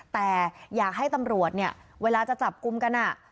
แต่อยากให้ตำรวจเนี่ยเวลาจะจับกลุ่มกัน